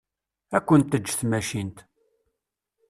Ad kent-teǧǧ tmacint.